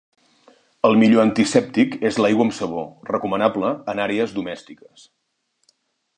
El millor antisèptic és l'aigua amb sabó, recomanable en àrees domèstiques.